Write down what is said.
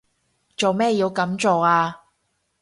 做咩要噉做啊？